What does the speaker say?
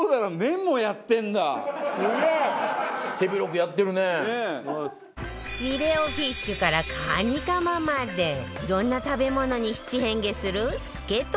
フィレオフィッシュからカニカマまでいろんな食べ物に七変化するスケトウダラ